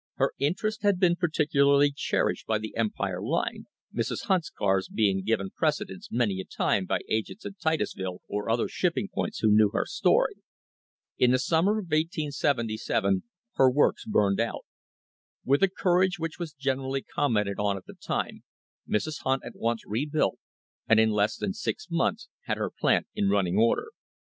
Her interests had been particularly cherished by the Empire Line, "Mrs. Hunt's cars" being given precedence many a time by agents at Titusville or other shipping points who knew her story. In the summer of 1877 her works burned out. With a cour age which was generally commented on at the time Mrs. Hunt at once rebuilt and in less than six months had her plant in running order.